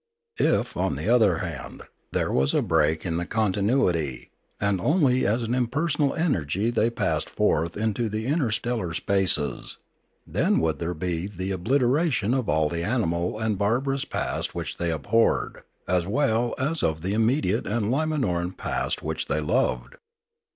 If, on the other hand, there was a break in the con tinuity, and only as an impersonal energy they passed forth into the interstellar spaces, then would there be 384 Limanora the obliteration of all the animal and barbarous past which they abhorred, as well as of the immediate and Limanoran past which they loved.